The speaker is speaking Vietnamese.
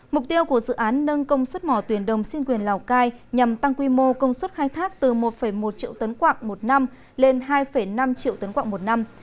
mục tiêu của dự án nâng công suất mỏ tuyển đồng xin quyền lào cai nhằm tăng quy mô công suất khai thác từ một một triệu tấn quạng một năm lên hai năm triệu tấn quạng một năm